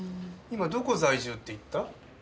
今どこ在住って言った？